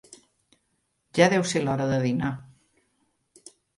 Ja deu seu l'hora de dinar.